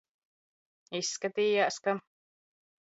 Izskat?j?s, ka